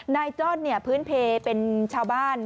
นายจ้อนเนี่ยพื้นเพลย์เป็นชาวบ้าน